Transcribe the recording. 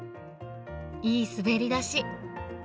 いい滑りだし。